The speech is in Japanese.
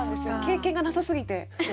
経験がなさすぎて。